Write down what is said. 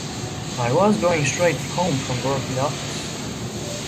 I was going straight home from work in the office.